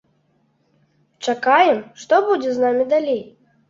Чакаем, што будзе з намі далей.